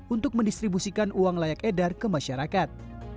untuk mendistribusikan uang layak edar ke masyarakat